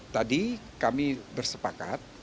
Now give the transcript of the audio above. tadi kami bersepakat